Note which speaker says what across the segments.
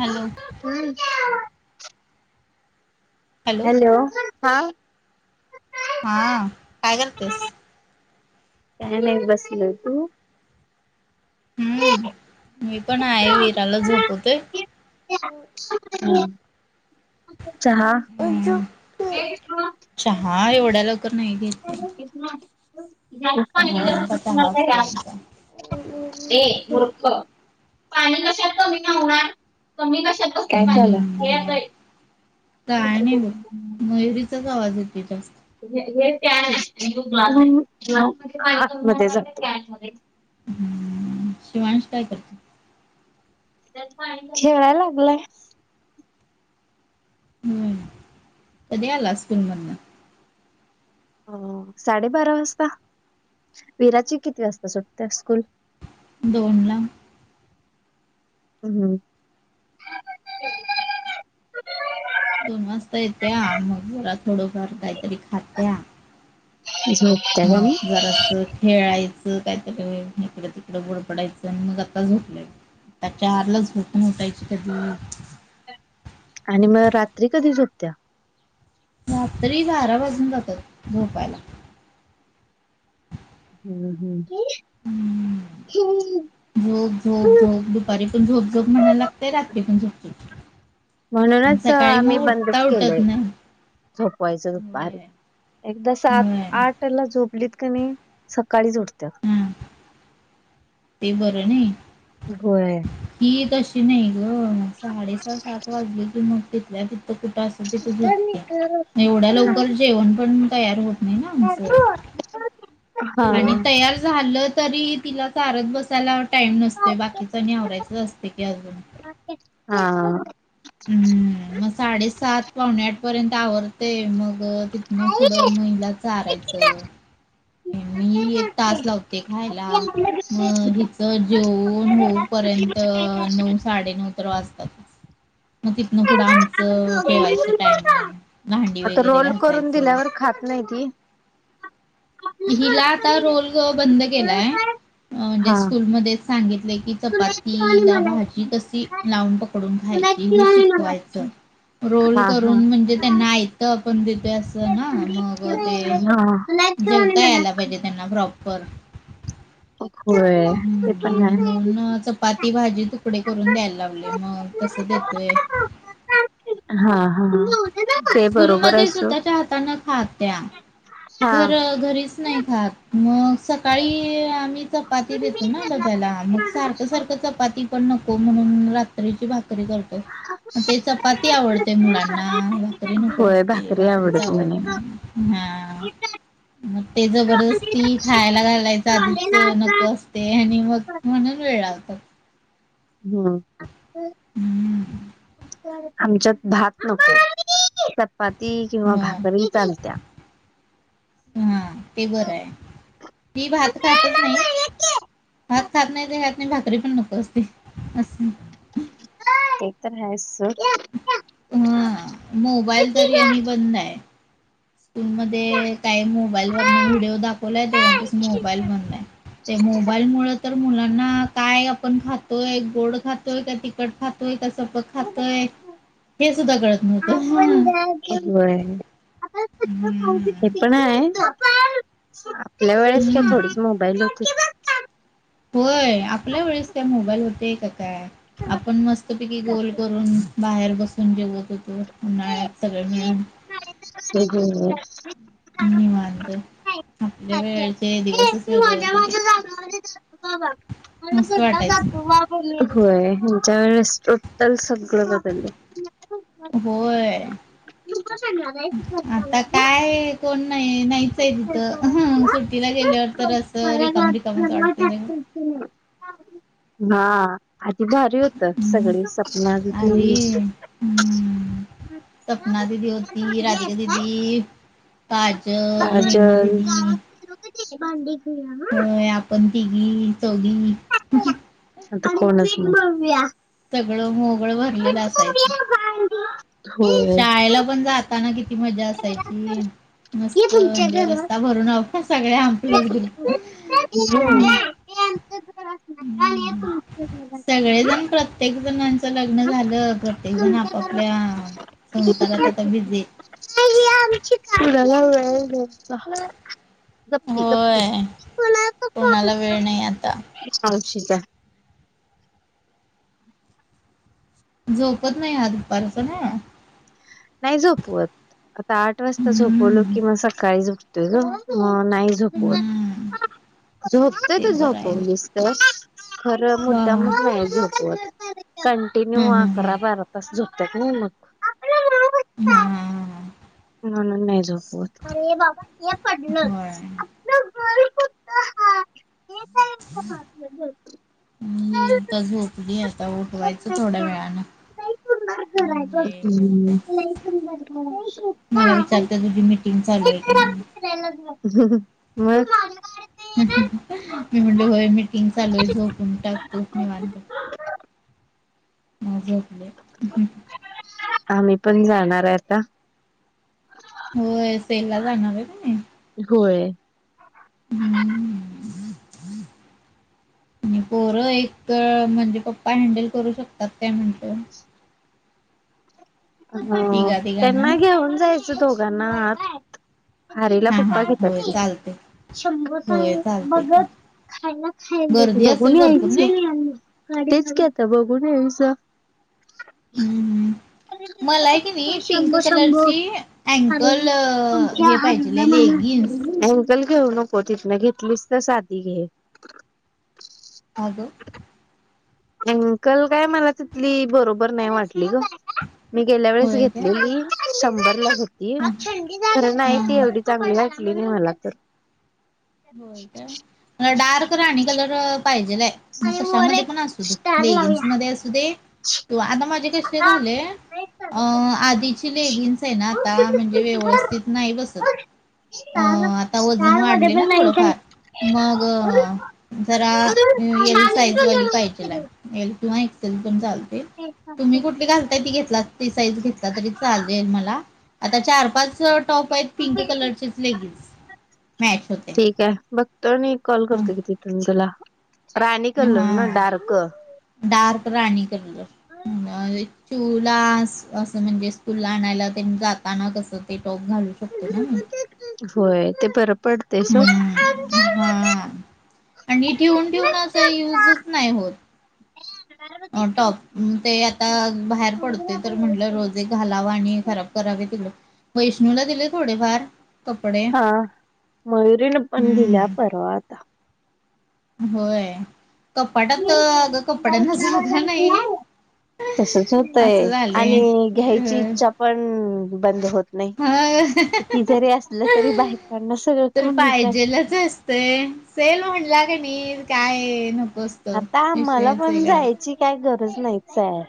Speaker 1: Hello.
Speaker 2: हम् [inaudible] hello ह.
Speaker 1: हा काय करतेस?
Speaker 2: काही नाही बसलेय तू?
Speaker 1: हम्म मी पण आहे. विराला झोपवते.
Speaker 2: [inaudible] चहा.
Speaker 1: ऊज्जू. लवकर नाही घेत
Speaker 2: एक
Speaker 1: सहा वाजता चहा
Speaker 2: ये
Speaker 1: असतोय आमचा.
Speaker 2: मूर्ख पाणी कशात कमी न होणार कमी कशातचय
Speaker 1: ग नाही बघ मयुरीचाच आवाज येतोय जास्त
Speaker 2: हे हे कॅन आहे आणि तो ग्लास आहे ग्लास मध्ये पाणी कमी होणार त्या कॅन मध्ये
Speaker 1: हम्म शिवांश काय करत?
Speaker 2: खेळाय लागलाय.
Speaker 1: हम्म कधी आलास स्कूल मधनं?
Speaker 2: अ साडेबारा वाजता? विराची किती वाजता सुटते स्कूल?
Speaker 1: दोन ला.
Speaker 2: [inaudible]
Speaker 1: दोन वाजता येत्या मग घरात थोडंफार काहीतरी खात्या.
Speaker 2: झोप.
Speaker 1: मग गरज अ खेळायचं काहीतरी इकडं तिकडं उडपडायचं आणि मग आता झोपलाय. त्या चारलाच झोपून उठायची कधी.
Speaker 2: आणि मग रात्री कधी झोपत्या?
Speaker 1: रात्री बारा वाजून जातात झोपायला.
Speaker 2: हम्म हम्म.
Speaker 1: झोप, झोप, झोप दुपारी पण झोप, झोप म्हणायला लागतेय रात्री पण झोपतय. आण
Speaker 2: म्हणूनच
Speaker 1: सकाळी
Speaker 2: आम्ही
Speaker 1: मग
Speaker 2: बंदच
Speaker 1: उठता उठत
Speaker 2: केलंय
Speaker 1: नाही.
Speaker 2: झोपवायचं दुपारी.
Speaker 1: होय
Speaker 2: एकदा सात
Speaker 1: होय
Speaker 2: आठ ला झोपलीत का नाही सकाळीच झोपतात.
Speaker 1: हा ते बरं नाही.
Speaker 2: होय.
Speaker 1: ती तशी नाही ग, साडेसहा सात वाजले की मग तिथल्या तिथं कुठं अस तिथ झोपत्या एवढ्या लवकर जेवण पण तयार होत नाही ना आमचं. आणि
Speaker 2: हा.
Speaker 1: तयार झालं तरी तिला चारत बसायला टाइम नसतोय बाकीच आणि आवरायचं असतय की अजून.
Speaker 2: हा.
Speaker 1: हम्म मग साडेसात पावणे आठ पर्यंत आवर. ते मग तिथनं पुढं
Speaker 2: हा.
Speaker 1: महिला चारायचं.
Speaker 2: आता
Speaker 1: मी एक तास लावते खायला मग हिच जेवून होऊ पर्यंत नऊ साडे नऊ तर वाजतात. मग तिथनं पुढं आमचं जेवायचं टायमिंग भांडी वगैरे
Speaker 2: रोल करून
Speaker 1: घासायचं.
Speaker 2: दिल्यावर खात नाही ती. हा
Speaker 1: हिला आता रोल बंद केलाय अ म्हणजे
Speaker 2: हा
Speaker 1: स्कूलमध्येच सांगितलय की चपाती ला भाजी कशी लावून पकडून खायची हे शिकवायचं. रोल
Speaker 2: हा
Speaker 1: करून म्हणजे
Speaker 2: हा
Speaker 1: त्यांना आयतं आपण देतोय असं ना मग ते जेवता यायला पाहिजे त्यांना प्रॉपर.
Speaker 2: होय ते
Speaker 1: हम्म
Speaker 2: पण नाही.
Speaker 1: म्हणून चपाती भाजी तुकडे करून द्यायला लावलेय, मग तसं देतोय.
Speaker 2: हा हा ते बरोबर आहे
Speaker 1: स्कूलमध्ये
Speaker 2: सोड.
Speaker 1: स्वतःच्या हाताने खात्या,
Speaker 2: हा.
Speaker 1: घर घरी नाही खात, मग सकाळी आम्ही चप चपाती देतो ना डब्याला, मग सारखं सारखं चपाती पण नको म्हणून रात्रीची भाकरी करतो. ते चपाती आवडते मुलांना हा भाकरी नको
Speaker 2: होय
Speaker 1: असते,
Speaker 2: भाकरी
Speaker 1: भाकरीच
Speaker 2: म्हणे.
Speaker 1: आवडत नाही हा. मग ते जबरदस्ती खायला घालायचं आधीच नको अस ते आणि मग म्हणून वेळ लाव तात.
Speaker 2: हम्म.
Speaker 1: हम्म
Speaker 2: आमच्यात भात नको चपाती किंवा
Speaker 1: होय
Speaker 2: भाकरी चालत्या.
Speaker 1: हम ते बरं आहे ती भात खातच नाही. भाात खात नाही ते खात नाही भाकरी पण नको असते अस्स.
Speaker 2: ते तर आहेच सोड.
Speaker 1: हं मोबाईल तरी आणि
Speaker 2: होय
Speaker 1: बंद आहे. स्कूल मध्ये काही मोबाईल वरन व्हिडिओ दाखवलाय तेव्हा पसून मोबाईल बंद हाय. ते मोबाईल मुळं तर मुलांना काय आपण खातोय गोड खातोय का
Speaker 2: ते
Speaker 1: तिखट खातोय का, सपक खातोय हे सुद्धा कळत नव्हतं.
Speaker 2: व्हय
Speaker 1: हम्म
Speaker 2: [unintelligible] तेपण आहे आपल्या वेळेस काय
Speaker 1: हम्म
Speaker 2: थोडीच मोबाईल होती.
Speaker 1: होय आपल्या वेळेस काय मोबाईल होते काय काय आपण मस्तपैकी गोल करून बाहेर बसून जेवत होतो. उन्हाळ्यात सगळे मिळून
Speaker 2: [unintelligible] [unintelligible] [unintelligible]
Speaker 1: निवांत आपल्या वेळचे दिवसच वेगळे होते ते. मस्त
Speaker 2: घरला
Speaker 1: वाटायचं.
Speaker 2: जातो होय ह्यांच्या वेळेस टोटल सगळं बदललय.
Speaker 1: होय
Speaker 2: [unintelligible]
Speaker 1: [unintelligible] कोण नाही, नाहीच आहे तिथं. सुट्टीला गेल्यावर तर असं रिकामं रिकामं काढतय बई
Speaker 2: [unintelligible] हा [unintelligible] भारी होतं सगळी सपना दिदी
Speaker 1: अरे हम्म. सपना दिदी होती, राधिका दिदी दिदी, काजल, हेमा दिदी
Speaker 2: भांडे खेळूया हं
Speaker 1: होय आपण तिघी चौघी
Speaker 2: आता कोणाच नई
Speaker 1: सगळं मोगळ भरलेलं असायचं.
Speaker 2: [unintelligible]
Speaker 1: शाळेला पण जाताना किती मजा असायची.
Speaker 2: हे
Speaker 1: मस्त
Speaker 2: तुमच्या
Speaker 1: म्हणजे
Speaker 2: घरात
Speaker 1: रस्ता भरून आपण सगळे
Speaker 2: हे
Speaker 1: आपलाच ग्रुप
Speaker 2: आमचं [unintelligible]
Speaker 1: [inaudible]
Speaker 2: हे तुमचं घर असणार
Speaker 1: सगळेजण प्रत्येक जण लग्न
Speaker 2: आणि
Speaker 1: झालं, प्रत्येक जण
Speaker 2: तुमच्या घर
Speaker 1: आपापल्या संसारात आता बिझीयेत
Speaker 2: नाही आमची का वे. कुणाला [unintelligible] गपकी गपकी,
Speaker 1: होय
Speaker 2: कुणाचा फोन
Speaker 1: कोणाला वेळ
Speaker 2: आहे?
Speaker 1: नाही आता.
Speaker 2: मावशीचा.
Speaker 1: झोपत नाही हा दुपारचा नाय
Speaker 2: नाही झोपवत आता आठ वाजता झोपवलो
Speaker 1: हम्म
Speaker 2: कि मग सकाळीच उठतोय गं मग नाही
Speaker 1: हम्म.
Speaker 2: झोपवत झोपतंय
Speaker 1: ते
Speaker 2: तो
Speaker 1: बरं आहे
Speaker 2: झोपवलिस तर, खरं
Speaker 1: हा हा
Speaker 2: मुद्दामच नाही झोपवत. कंटिन्यू
Speaker 1: हम्म हम्म
Speaker 2: अकरा
Speaker 1: हम्म.
Speaker 2: बारा तास झोपत्यात नाही मग. माणूस काय?
Speaker 1: हम्म.
Speaker 2: म्हणून नाही झोपवत अरे बाबा हे
Speaker 1: होय.
Speaker 2: पडलंच. आपलं घर कुठं हाय हे काय आपलं घर
Speaker 1: ही आता झोपली आता उठवायचं थोड्या
Speaker 2: लई
Speaker 1: वेळानं. म्हणजे हे होतंय.
Speaker 2: [unintelligible]
Speaker 1: चालतं तुझी मिटिंग चालू आहे का म्हण
Speaker 2: ह ह मग.
Speaker 1: [unintelligible] मी म्हटल होय मीटिंग चालूय झोपून टाकतो निवांत. मग झोपलेय.
Speaker 2: आम्ही पण जाणारे आता.
Speaker 1: होय सेल ला जाणार आहे ना मी.
Speaker 2: होय.
Speaker 1: [inaudible] आणि पोरं एकतर म्हणजे पप्पा हँडल करू शकतात काय म्हटलं -
Speaker 2: हो
Speaker 1: तिघा तिघांना
Speaker 2: त्यांना घेऊन जायचं दोघांना आत हारीला
Speaker 1: हा हा
Speaker 2: पप्पा घेतात
Speaker 1: होय
Speaker 2: की.
Speaker 1: चालते
Speaker 2: शंभर
Speaker 1: होय
Speaker 2: सांग
Speaker 1: चालते
Speaker 2: मगच खायला खायला
Speaker 1: गर्दी
Speaker 2: बघुन
Speaker 1: असेल भरपूर
Speaker 2: यायच.
Speaker 1: नाही
Speaker 2: तेच की आता बघून यायच.
Speaker 1: हम् हम्म. मला आहे की नाही पिंक
Speaker 2: शंभो शंभो
Speaker 1: कलरची
Speaker 2: हरण
Speaker 1: अँकल
Speaker 2: आमच्या
Speaker 1: हे पाहिजे
Speaker 2: हरणा
Speaker 1: लेगिन्स.
Speaker 2: म्हणून अँकल घेऊ नको तिथन घेतलीस तर साधी घे.
Speaker 1: [unintelligible]
Speaker 2: अंकल काय मला तिथली बरोबर नाही वाटली ग, मी गेल्या वेळेस
Speaker 1: होय काय
Speaker 2: घेतलेली. शंभर लाच होती,
Speaker 1: हा
Speaker 2: खर नाही
Speaker 1: हा
Speaker 2: ती
Speaker 1: हा
Speaker 2: एवढी चांगली वाटली मला तर.
Speaker 1: होय का मला डार्क राणी कलर पाहिजेलय. मग
Speaker 2: आणि वर
Speaker 1: कशामध्ये
Speaker 2: एक
Speaker 1: पण असू दे
Speaker 2: स्टार
Speaker 1: लेगिन्स
Speaker 2: लावूया
Speaker 1: मध्ये असू दे, तो आता माझे कसे झाले
Speaker 2: आता.
Speaker 1: अ आधीची लेगीनस आहे ना आता म्हणजे व्यवस्थित नाही बसत. अ आता वजन वाढले ना थोडंफार
Speaker 2: [unintelligible]
Speaker 1: मग जरा येल साइजवाली
Speaker 2: छानच
Speaker 1: पाहिजेलय. एल किंवा एक्सेल पण चालते तुम्ही कुठली घालताय ती घेतला ते साईज घेतला तरी चालेल मला आता चार पाच टॉप आहेत पिंक कलरचेच लेगीन्स मॅच होत.
Speaker 2: ठीक आहे बघतो आणि कॉल करतो किती तुम तला राणी कलर ना
Speaker 1: हा
Speaker 2: डार्क.
Speaker 1: डार्क राणी कलर. चिवुला असं म्हणजे स्कूल ला आणायला ते जाताना कसं ते टॉप घालू शकतो. ना.
Speaker 2: होय ते बरं पडते स
Speaker 1: हा आणि ठेवून ठेवून अस युजच नाही होत. टॉप ते आता बाहेर पडतोय तर म्हटलं रोज एक घालावा आणि खराब करावे त वैष्णूला दिले थोडेफार कपडे.
Speaker 2: ह मयुरीने पण दिल्या
Speaker 1: हम्म
Speaker 2: परवा आता.
Speaker 1: होय कपाटात अग कपड्यांना जागा नाही.
Speaker 2: तसच होतय
Speaker 1: असं झालंय.
Speaker 2: आणि घ्यायची
Speaker 1: अ
Speaker 2: इच्छा पण बंद होत. नाही
Speaker 1: हा
Speaker 2: ती जरी असलं तरी बायकांना सगळं कमीच आहे.
Speaker 1: असतय सेल म्हणला का नाय काय नको
Speaker 2: आता आम्हाला
Speaker 1: विषयच
Speaker 2: पण
Speaker 1: वेगळा होता.
Speaker 2: जायची काय गरज नाहीच आहे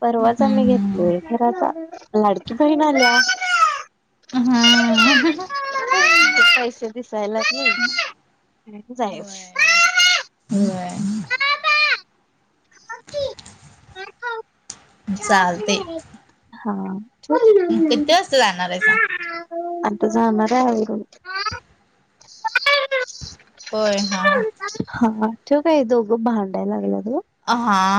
Speaker 2: परवाच आम्ही
Speaker 1: हम्म
Speaker 2: घेतलोय खर आता लाडकी बहिन आल्या.
Speaker 1: हम्म.
Speaker 2: पैसे दिसायलाच नाही जा.
Speaker 1: होय होय.
Speaker 2: खा की.
Speaker 1: चालते
Speaker 2: हा.
Speaker 1: मग किती वाजता जाणार आहे सां
Speaker 2: आता जाणार आहे
Speaker 1: ब हा ह
Speaker 2: हा ठेव काय दोघं भांडायला लागलं त
Speaker 1: हां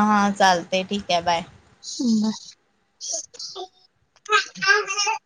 Speaker 1: हां चालते ठीक आहे बाय
Speaker 2: ह बर